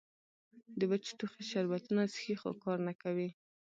د وچ ټوخي شربتونه څښي خو کار نۀ کوي